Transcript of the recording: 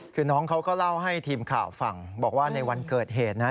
คือน้องเขาก็เล่าให้ทีมข่าวฟังบอกว่าในวันเกิดเหตุนะ